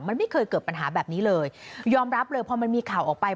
มันไม่เคยเกิดปัญหาแบบนี้เลยยอมรับเลยพอมันมีข่าวออกไป